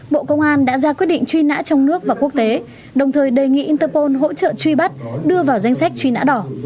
bộ công an đã ra quyết định truy nã trong nước và quốc tế đồng thời đề nghị interpol hỗ trợ truy bắt đưa vào danh sách truy nã đỏ